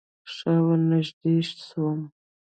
ښه ورنژدې سوم.